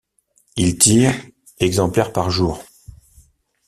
Il tire exemplaires par jour.